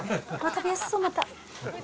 食べやすそう、また。